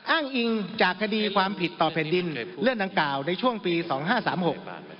อ้างอิงจากคดีความผิดต่อแผ่นดินเรื่องดังกล่าวในช่วงปีสองห้าสามหก